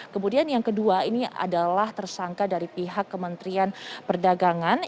kemudian yang kedua ini adalah tersangka dari pihak kementerian perdagangan